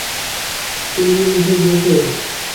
তুমি উঠে গেছো।